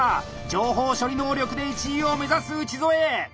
情報処理能力で１位を目指す内添。